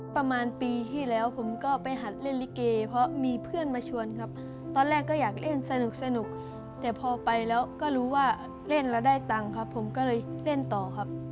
ประมาณปีที่แล้วผมก็ไปหัดเล่นลิเกเพราะมีเพื่อนมาชวนครับตอนแรกก็อยากเล่นสนุกแต่พอไปแล้วก็รู้ว่าเล่นแล้วได้ตังค์ครับผมก็เลยเล่นต่อครับ